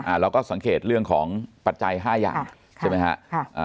เราก็สังเกตเรื่องของปัจจัยห้าอย่างใช่ไหมฮะค่ะอ่า